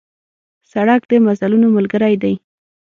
سړک د مزلونو ملګری دی.